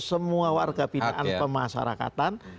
semua warga pinaan pemasarakatan